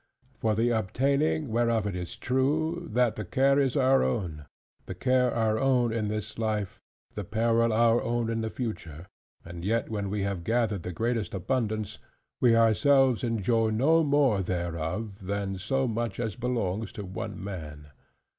For the obtaining whereof it is true, that the care is our own; the care our own in this life, the peril our own in the future: and yet when we have gathered the greatest abundance, we ourselves enjoy no more thereof, than so much as belongs to one man.